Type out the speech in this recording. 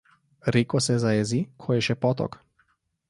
Reko se zajezi, ko je še potok.